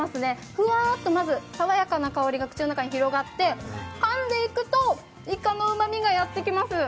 ふわーっとまず爽やかな香りが口の中に広がってかんでいくと、イカのうまみがやってきます。